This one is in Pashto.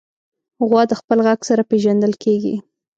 غوا د خپل غږ سره پېژندل کېږي.